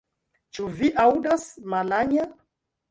Ĉu vi aŭdas, Malanja.